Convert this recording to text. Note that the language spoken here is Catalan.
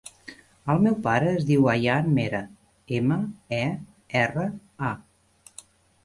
El meu pare es diu Ayaan Mera: ema, e, erra, a.